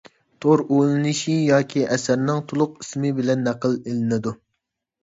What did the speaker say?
تور ئۇلىنىشى ياكى ئەسەرنىڭ تولۇق ئىسمى بىلەن نەقىل ئېلىنىدۇ.